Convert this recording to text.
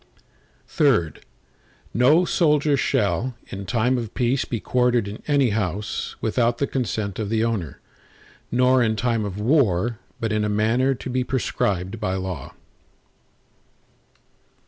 III No soldier shall, in time of peace be quartered in any house, without the consent of the owner, nor in time of war, but in a manner to be prescribed by law.